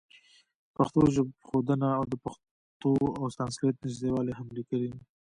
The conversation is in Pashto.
پښتو ژبښودنه او د پښتو او سانسکریټ نزدېوالی هم لیکلي.